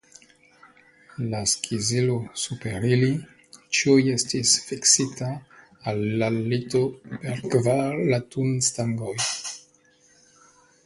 La skizilo super ili ĉiuj estis fiksita al la lito per kvar latunstangoj.